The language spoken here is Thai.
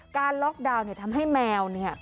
การล็อกดาวน์เนี่ยทำให้แมวเนี่ย